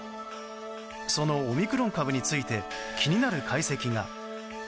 そのオミクロン株について気になる解析が。